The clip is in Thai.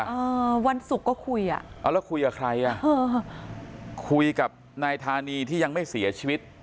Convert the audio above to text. อ่าวันศุกร์ก็คุยอ่ะเอาแล้วคุยกับใครอ่ะเออคุยกับนายธานีที่ยังไม่เสียชีวิต